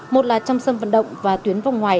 một là trong sân vận động và tuyến vòng ngoài